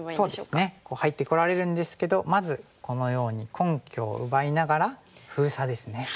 そうですね入ってこられるんですけどまずこのように根拠を奪いながら封鎖ですね。